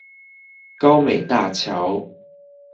高美大橋